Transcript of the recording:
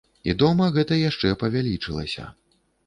І дома гэта яшчэ павялічылася.